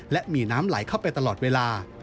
และมีน้ำไหลเข้าไปตลอดเวลา